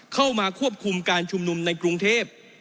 เข้ามาควบคุมการชุมนุมในกรุงเทพ